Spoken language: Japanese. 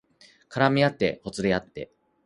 絡みあってほつれあって